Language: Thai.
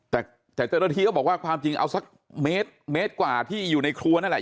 แต่เจ้าหน้าที่ก็บอกว่าความจริงเอาสักเมตรกว่าที่อยู่ในครัวนั่นแหละ